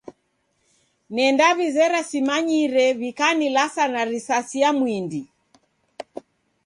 Nendaw'izera simanyire w'ikanilasa na risasi ya mwindi.